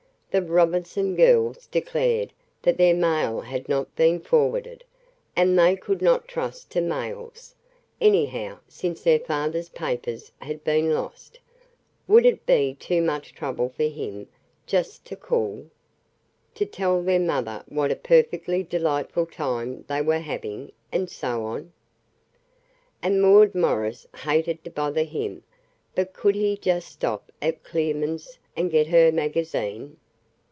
The Robinson girls declared that their mail had not been forwarded, and they could not trust to mails, anyhow, since their father's papers had been lost. Would it be too much trouble for him just to call? To tell their mother what a perfectly delightful time they were having, and so on. And Maud Morris hated to bother him, but could he just stop at Clearman's and get her magazine?